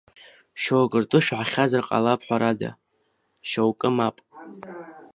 Шьоукы ртәы шәаҳахьазар ҟалап ҳәарада, шьоукы мап.